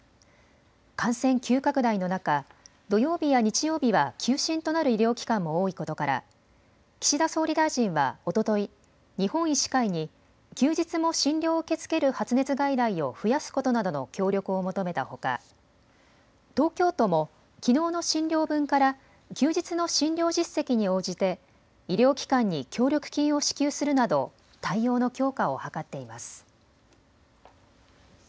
感染急拡大の中、土曜日や日曜日は休診となる医療機関も多いことから岸田総理大臣はおととい、日本医師会に休日も診療を受け付ける発熱外来を増やすことなどの協力を求めたほか東京都もきのうの診療分から休日の診療実績に応じて医療機関に協力金を支給するなど対応の強化を図っています。